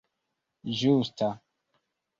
ĝusta